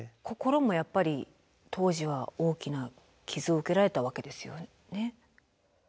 心もやっぱり当時は大きな傷を受けられたわけですよね。